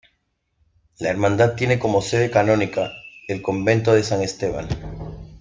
La hermandad tiene como sede canónica el Convento de San Esteban.